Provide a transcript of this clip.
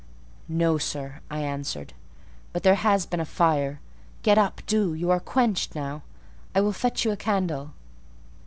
"No, sir," I answered; "but there has been a fire: get up, do; you are quenched now; I will fetch you a candle."